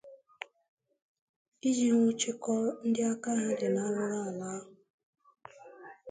iji nwụchikọọ ndị aka ha dị n'arụrụala ahụ.